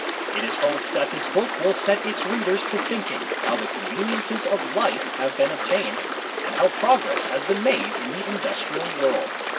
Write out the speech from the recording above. It is hoped that this book will set its readers to think ing how the conveniences of life have been obtained, and how progress has been made in the industrial world.